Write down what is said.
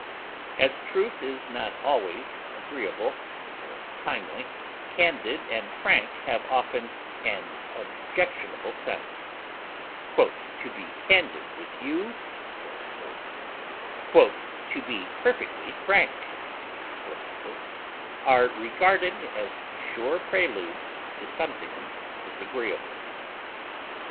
As truth is not always agreeable or timely, candid and frank have often an objectionable sense; "to be candid with you," "to be perfectly frank," are regarded as sure preludes to something disagreeable.